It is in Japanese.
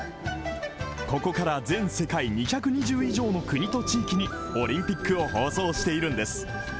ここから全世界２２０以上の国と地域にオリンピックを放送しているんです。